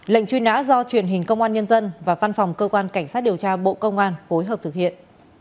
lệnh truy nã do truyền hình công an nhân dân và văn phòng cơ quan cảnh sát điều tra bộ công an phối hợp thực hiện